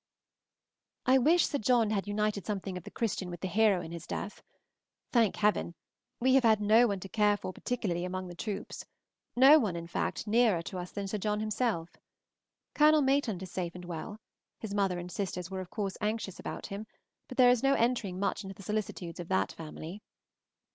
I wish Sir John had united something of the Christian with the hero in his death. Thank heaven! we have had no one to care for particularly among the troops, no one, in fact, nearer to us than Sir John himself. Col. Maitland is safe and well; his mother and sisters were of course anxious about him, but there is no entering much into the solicitudes of that family.